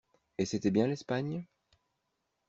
Et c'était bien l'Espagne?